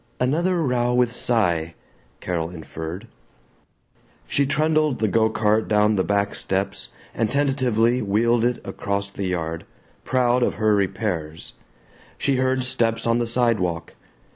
"Another row with Cy," Carol inferred. She trundled the go cart down the back steps and tentatively wheeled it across the yard, proud of her repairs. She heard steps on the sidewalk.